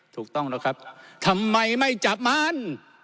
ถูกต้องแล้วครับทำไมไม่จับมัน